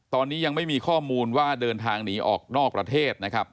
ตอนนี้ยังไม่มีข้อมูลว่าเดินทางหนีออกนอกประเทศนะครับ